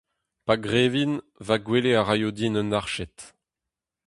Pa grevin, va gwele a ray din un arched.